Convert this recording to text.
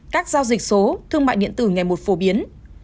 các giao dịch số thương mại điện tử ngày một phổ biến